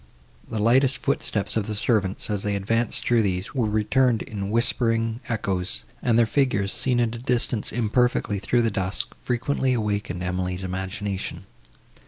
The lightest footsteps of the servants, as they advanced through these, were returned in whispering echoes, and their figures, seen at a distance imperfectly through the dusk, frequently awakened Emily's imagination.